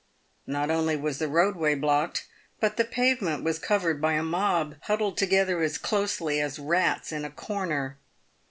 Not only was the roadway blocked, but the pavement was covered by a mob, huddled together as closely as rats in a corner.